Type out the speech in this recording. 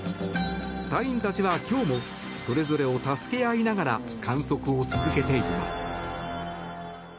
隊員たちは今日もそれぞれを助け合いながら観測を続けています。